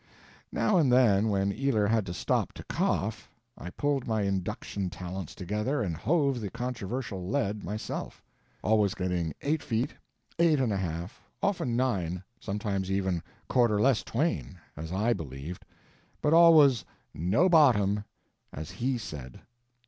Now and then when Ealer had to stop to cough, I pulled my induction talents together and hove the controversial lead myself: always getting eight feet, eight and a half, often nine, sometimes even quarter less twain—as I believed; but always "no bottom," as he said.